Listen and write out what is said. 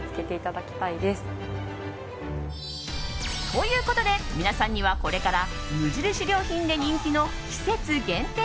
ということで、皆さんにはこれから無印良品で人気の季節限定